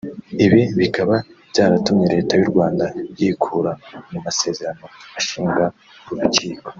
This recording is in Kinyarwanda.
ibi bikaba byaratumye Leta y’u Rwanda yikura mu masezerano ashinga uru rukiko